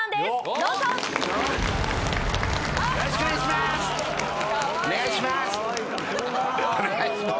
よろしくお願いします。